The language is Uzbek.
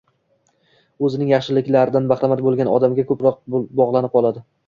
o‘zining yaxshiligidan bahramand bo‘lgan odamga ko‘proq bog‘lanib qoladi.